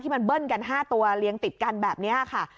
มันเบิ้ลกัน๕ตัวเลี้ยงติดกันแบบนี้ค่ะ